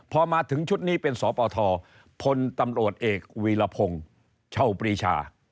พอมาถึงชุดนี้เป็นสปทพลตำรวจเอกวีรพงศ์เช่าปรีชา